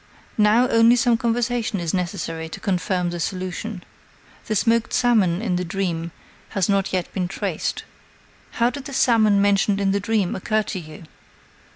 Now only some conversation is necessary to confirm the solution. The smoked salmon in the dream has not yet been traced. "How did the salmon mentioned in the dream occur to you?"